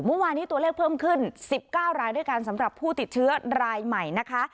เมื่อวานนี้ตัวเลขเพิ่มขึ้น๑๙รายด้วยกันสำหรับผู้ติดเชื้อรายใหม่นะคะ